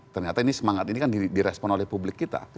ternyata ini semangat ini kan direspon oleh publik kita